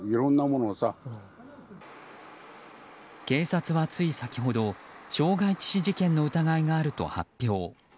警察はつい先ほど傷害致死事件の疑いがあると発表。